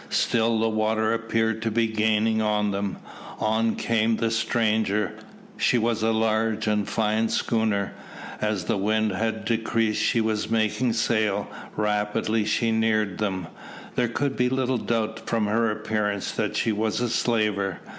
Still the water appeared to be gaining on them. On came the stranger. She was a large and fine schooner. As the wind had decreased she was making sail; rapidly she neared them. There could be little doubt from her appearance that she was a slaver.